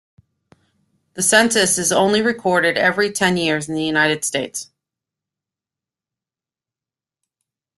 The census is only recorded every ten years in the United States.